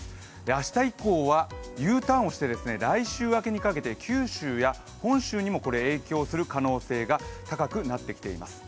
明日以降はＵターンをして来週明けに架けて九州や本州にも影響する可能性が高くなってきています。